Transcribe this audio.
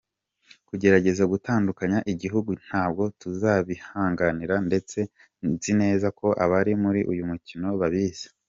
Kugerageza gutandukanya igihugu ntabwo tuzabyihanganira ndetse nzi neza ko abari muri uyu mukino babizi.